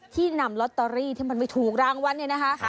ที่นำลอตเตอรี่ที่มันไม่ถูกรางวัลเนี่ยนะคะ